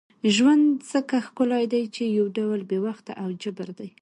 ژوند ځکه ښکلی دی چې یو ډول بې وخته او جبر دی.